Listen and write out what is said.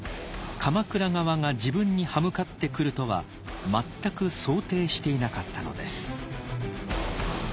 鎌倉側が自分に刃向かってくるとは全く想定していなかったのです。